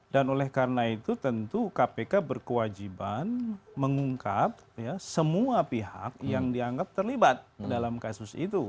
dan oleh karena itu tentu kpk berkewajiban mengungkap ya semua pihak yang dianggap terlibat dalam kasus itu